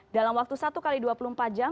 dalam waktu satu x dua puluh empat jam